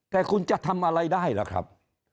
แต่คุณจะทำอะไรได้ล่ะครับ